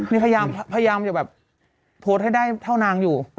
นี่พยายามจะแบบโพสต์ให้ได้เท่านางอยู่